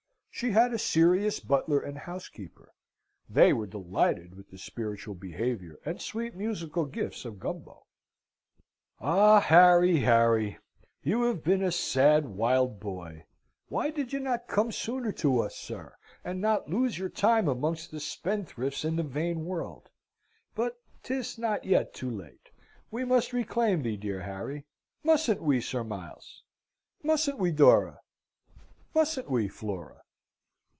She had a serious butler and housekeeper: they were delighted with the spiritual behaviour and sweet musical gifts of Gumbo. "Ah! Harry, Harry! you have been a sad wild boy! Why did you not come sooner to us, sir, and not lose your time amongst the spendthrifts and the vain world? But 'tis not yet too late. We must reclaim thee, dear Harry! Mustn't we, Sir Miles? Mustn't we Dora? Mustn't we, Flora?"